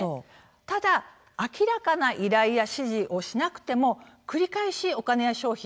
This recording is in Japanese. ただ明らかな依頼や指示をしなくても繰り返しお金や商品